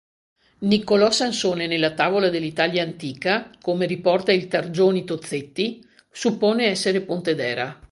Niccolò Sansone nella Tavola dell'Italia antica, come riporta il Targioni Tozzetti, suppone essere Pontedera.